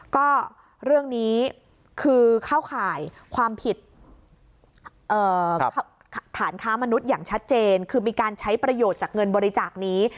ก็เรื่องนี้คือเข้าข่ายความผิดฐานค้ามนุษย์อย่างชัดเจนคือมีการใช้ประโยชน์จากเงินบริจาคนี้